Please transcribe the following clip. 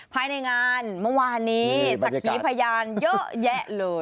ภายในงานเมื่อวานนี้สักขีพยานเยอะแยะเลย